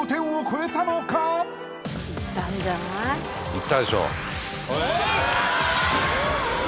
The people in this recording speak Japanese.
いったでしょあ